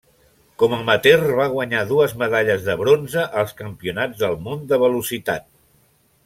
Com amateur, va guanyar dues medalles de bronze als Campionats del món de velocitat.